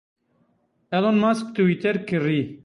Elon Musk Twitter kirî.